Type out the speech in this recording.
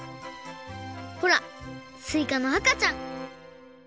ほらすいかのあかちゃん